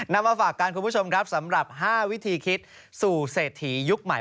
มาฝากกันคุณผู้ชมครับสำหรับ๕วิธีคิดสู่เศรษฐียุคใหม่